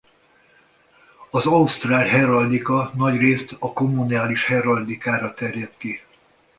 Az ausztrál heraldika nagyrészt a kommunális heraldikára terjed ki.